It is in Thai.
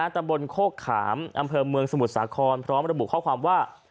ตำบลโคกขามอำเภอเมืองสมุทรสาครพร้อมระบุข้อความว่า